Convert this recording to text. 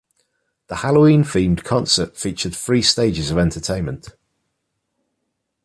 The Halloween-themed concert featured three stages of entertainment.